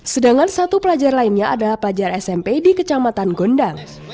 sedangkan satu pelajar lainnya adalah pelajar smp di kecamatan gondang